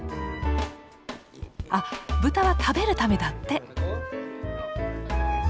あブタは食べるためだって。